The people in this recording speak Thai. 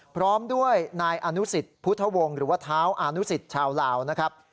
พร้อมด้วยนายอนุสิตพุทธวงศ์หรือว่าเท้าอานุสิตชาวลาวนะครับ